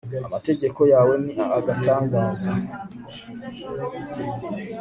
amategeko yawe ni agatangaza